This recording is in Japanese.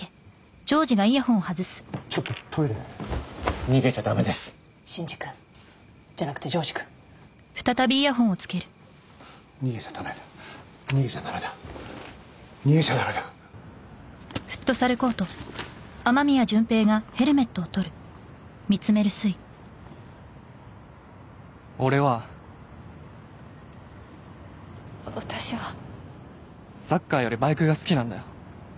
ちょっとトイレ逃げちゃダメですシンジ君じゃなくて丈治君逃げちゃダメ逃げちゃダメだ逃げちゃダメだ俺は私はサッカーよりバイクが好きなんだよ